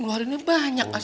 ngeluar ini banyak mas